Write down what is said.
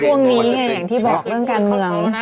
พวกนี้ไงอย่างที่บอกเรื่องการเมือง